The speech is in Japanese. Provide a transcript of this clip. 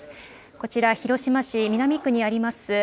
こちら、広島市南区にあります